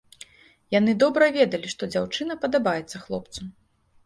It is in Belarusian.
Яны добра ведалі, што дзяўчына падабаецца хлопцу.